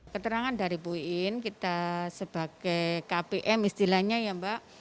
keterangan dari puin kita sebagai kpm istilahnya ya mbak